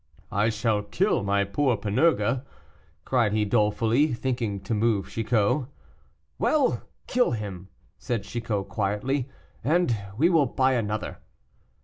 "I shall kill my poor Panurge!" cried he dolefully, thinking to move Chicot. "Well, kill him," said Chicot quietly, "and we will buy another."